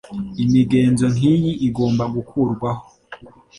Imigenzo nkiyi igomba gukurwaho.